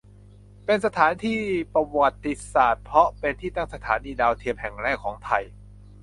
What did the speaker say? เป็นสถานที่ประวัติศาสตร์เพราะเป็นที่ตั้งสถานีดาวเทียมแห่งแรกของไทย